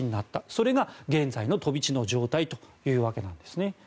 それが現在の飛び地の状態というわけです。